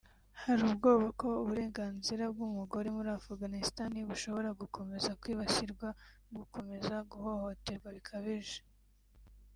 Hari ubwoba ko uburenganzira bw’umugore muri Afghanistan bushobora gukomeza kwibasirwa no gukomeza guhohoterwa bikabije